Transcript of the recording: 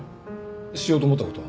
しようと思ったことは？